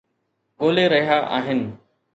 ڳولي رهيا آهن